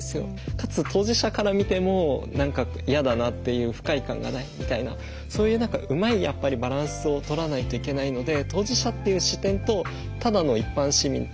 かつ当事者から見ても何か嫌だなっていう不快感がないみたいなそういう何かうまいやっぱりバランスをとらないといけないので。